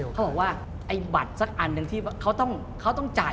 เขาบอกว่าไอ้บัตรสักอันหนึ่งที่เขาต้องจ่าย